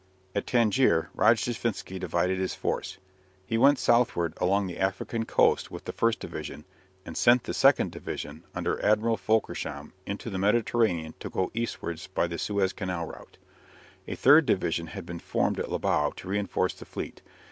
At Tangier Rojdestvensky divided his force. He went southward along the African coast with the first division, and sent the second division under Admiral Fölkersham into the Mediterranean to go eastwards by the Suez Canal route. A third division had been formed at Libau to reinforce the fleet.